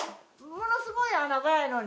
ものすごい穴場やのに。